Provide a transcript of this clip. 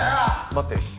待って。